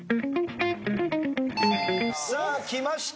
さあきました。